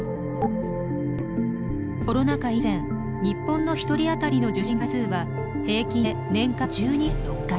コロナ禍以前日本の１人あたりの受診回数は平均で年間１２．６回。